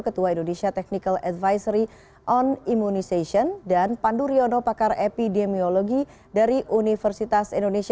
ketua indonesia technical advisory on immunization dan pandu riono pakar epidemiologi dari universitas indonesia